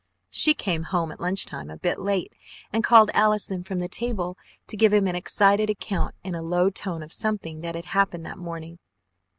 She came home at lunchtime a bit late and called Allison from the table to give him an excited account in a low tone of something that had happened that morning.